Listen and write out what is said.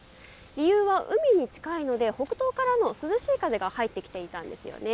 理由は海に近いので北東からの涼しい風が入ってきていたんです。